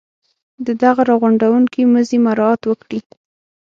د دغه را غونډوونکي مزي مراعات وکړي.